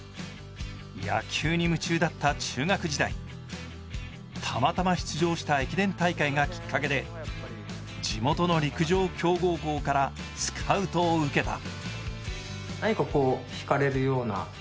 野球に夢中だった中学時代たまたま出場した駅伝大会がきっかけで地元の陸上強豪校からスカウトを受けた。